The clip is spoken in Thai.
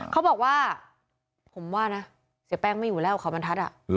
เขาบอกว่าผมว่านะเสียแป้งไม่อยู่แล้วเขาบรรทัศน์